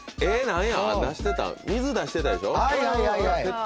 何や⁉出してた水出してたでしょ。